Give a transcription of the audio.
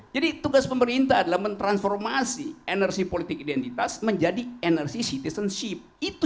jadi tugas pemerintah adalah mentransformasi energi politik identitas menjadi energi citizenship itu